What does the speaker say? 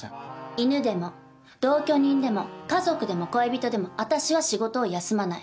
犬でも同居人でも家族でも恋人でも私は仕事を休まない。